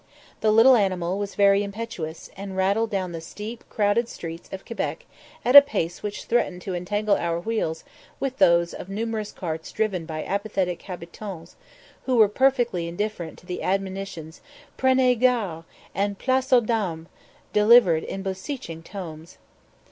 The little animal was very impetuous, and rattled down the steep, crowded streets of Quebec at a pace which threatened to entangle our wheels with those of numerous carts driven by apathetic habitans, who were perfectly indifferent to the admonitions "Prenez garde" and "Place aux dames," delivered in beseeching tones.